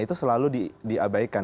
itu selalu diabaikan